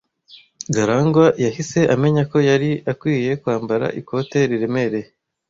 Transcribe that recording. Garangwa yahise amenya ko yari akwiye kwambara ikote riremereye.